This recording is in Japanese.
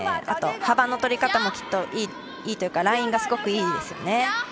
あと幅の取り方もいいというかラインがすごくいいですよね。